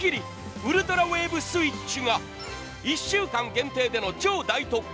ウルトラウェーブスイッチが１週間限定の超特価。